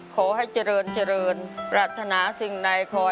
ขอให้เจริญรัฐนาสิ่งใดของคุณยาย